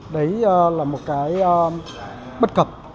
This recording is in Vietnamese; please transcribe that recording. đấy là một cái bất cập